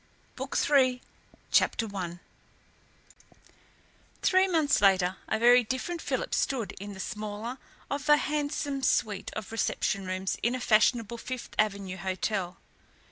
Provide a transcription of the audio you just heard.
BOOK III CHAPTER I Three months later, a very different Philip stood in the smaller of a handsome suite of reception rooms in a fashionable Fifth Avenue hotel.